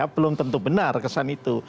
belum tentu benar kesan itu